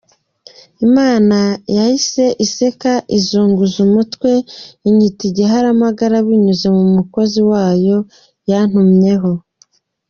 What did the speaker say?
Imana yahise iseka, izunguza umutwe inyita Igiharamagara binyuze mu mukozi wayo yantumyeho.